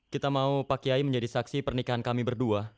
kita mau pak kiai menjadi saksi pernikahan kami berdua